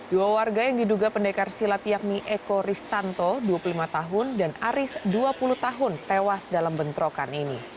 dua warga yang diduga pendekar silap yakni eko ristanto dua puluh lima tahun dan aris dua puluh tahun tewas dalam bentrokan ini